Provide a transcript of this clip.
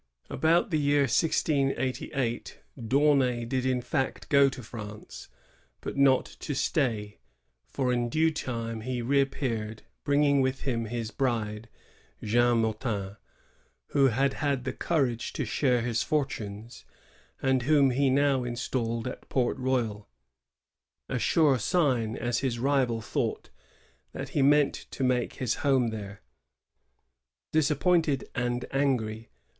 About the year 1688 D'Aunay did in fact go to France, but not to stay; for in due time he reap peared, bringing with him his bride, Jeanne Motin, who had had the courage to share his fortunes, and whom he now installed at Port Royal, — a sure sign, as his rival thought, that he meant to make his home there. Disappointed and angry.